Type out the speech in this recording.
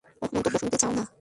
ওহ, মন্তব্য শুনতে চাও না?